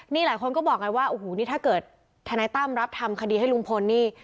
นี่หลายคนก็บอกไงว่าโอ้โหนี่ถ้าเกิดธนายตั้มรับทำคดีให้ลุงพลนี่